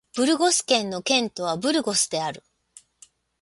ブルゴス県の県都はブルゴスである